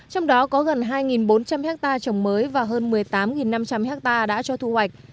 trong đó có gần hai bốn trăm linh hectare trồng mới và hơn một mươi tám năm trăm linh hectare đã cho thu hoạch